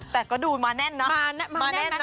แต่ก็ดูมาแน่นนะมาแน่นนะมาแน่นนะ